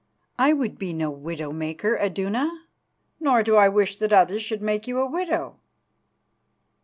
I would be no widow maker, Iduna, nor do I wish that others should make you a widow."